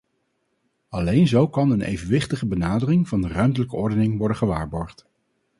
Alleen zo kan een evenwichtige benadering van de ruimtelijke ordening worden gewaarborgd.